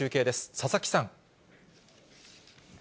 佐々木さん。